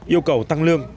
yêu cầu tăng lương